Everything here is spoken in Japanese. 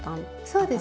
そうですね。